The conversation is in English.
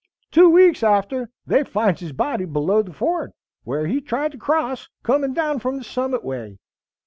Two weeks after they finds his body below the ford, whar he tried to cross, comin' down from the Summit way.